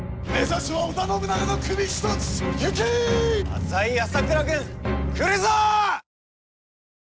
浅井朝倉軍来るぞ！